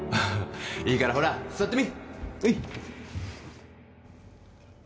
いいからほら座ってみはい